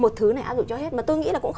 một thứ này á dụ cho hết